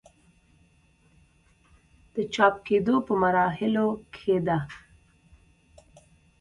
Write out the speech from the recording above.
د چاپ کيدو پۀ مراحلو کښې ده